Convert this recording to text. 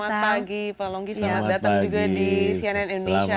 selamat pagi pak longki selamat datang juga di cnn indonesia